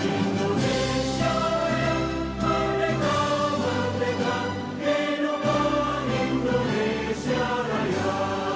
indonesia raya mereka mereka hidupkan indonesia raya